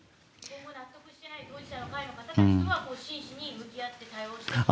納得していない当事者の会の方たちとは、真摯に対応していましたか？